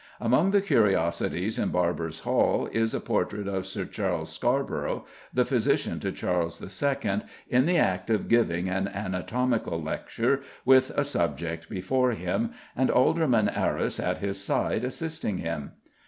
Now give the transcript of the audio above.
Among the curiosities in Barbers' Hall is a portrait of Sir Charles Scarborough, the physician to Charles II., in the act of giving an anatomical lecture with a "subject" before him, and Alderman Arris at his side assisting him.